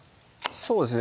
そうですね